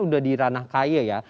sudah diranah kaya ya